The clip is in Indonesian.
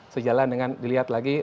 sejalan dengan dilihat lagi